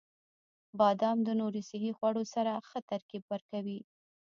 • بادام د نورو صحي خوړو سره ښه ترکیب ورکوي.